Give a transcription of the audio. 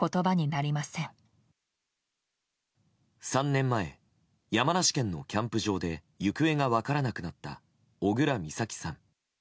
３年前、山梨県のキャンプ場で行方が分からなくなった小倉美咲さん。